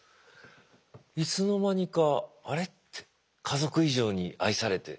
いつの間にかあれって家族以上に愛されて。